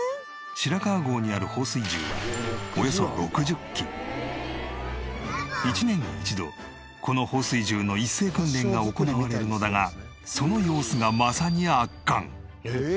白川郷にある放水銃は１年に１度この放水銃の一斉訓練が行われるのだがその様子がまさに圧巻。